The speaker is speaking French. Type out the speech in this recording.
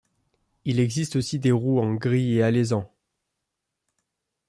Il existe aussi des rouans, gris et alezans.